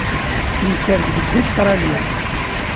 Tenker-d deg Ustṛalya.